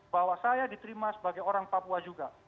bahwa saya diterima sebagai orang papua juga